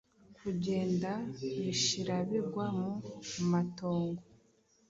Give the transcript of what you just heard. Kugenda bishirabigwa mu matongo